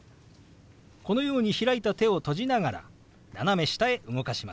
このように開いた手を閉じながら斜め下へ動かします。